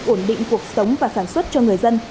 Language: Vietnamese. ổn định cuộc sống và sản xuất cho người dân